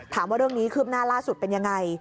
ถามว่าเรื่องนี้คืบหน้าล่าสุดเป็นยังไง